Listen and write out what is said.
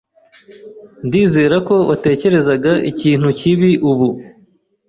Ndizera ko watekerezaga ikintu kibi ubu.